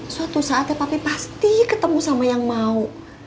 suatu saatnya tapi pasti ketemu sama yang mau